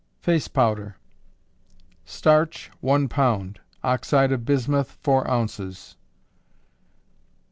Face Powder. Starch, one pound; oxide of bismuth, four ounces.